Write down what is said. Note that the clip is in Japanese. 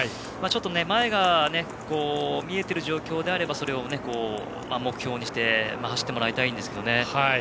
前が見えている状況であればそれを目標にして走ってもらいたいですけどね。